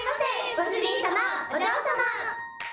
ご主人様お嬢様。